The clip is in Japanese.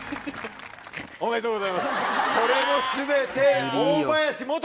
おめでとうございますこれも。